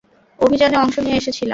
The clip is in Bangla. অভিযানে অংশ নিয়ে এসেছিলাম।